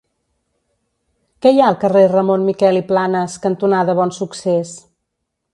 Què hi ha al carrer Ramon Miquel i Planas cantonada Bonsuccés?